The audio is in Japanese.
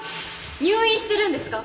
入院してるんですか？